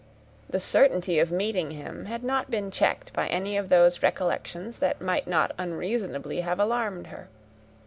The certainty of meeting him had not been checked by any of those recollections that might not unreasonably have alarmed her.